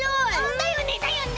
だよねだよね！